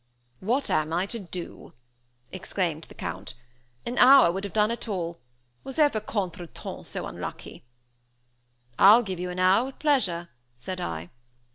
"What am I to do?" exclaimed the Count, "an hour would have done it all. Was ever contretemps so unlucky?" "I'll give you an hour, with pleasure," said I.